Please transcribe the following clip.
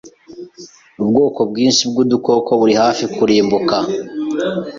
Ubwoko bwinshi bw’udukoko buri hafi kurimbuka.